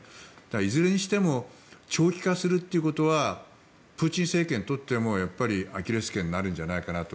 いずれにしても長期化するということはプーチン政権にとってもアキレス腱になるんじゃないかと。